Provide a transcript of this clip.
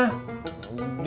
di tempat jalan